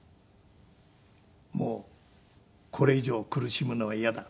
「もうこれ以上苦しむのは嫌だ」